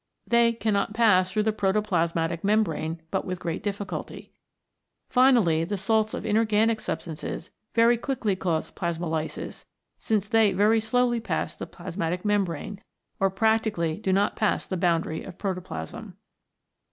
They cannot pass through the protoplasmatic membrane but with great difficulty. Finally, the salts of inorganic substances very quickly cause plasmolysis, since they very slowly pass the plasmatic membrane, or practically do not pass the boundary of protoplasm.